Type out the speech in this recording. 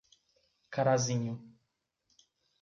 Carazinho